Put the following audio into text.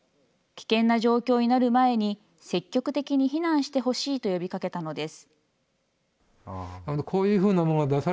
危険な状況になる前に、積極的に避難してほしいと呼びかけたのです。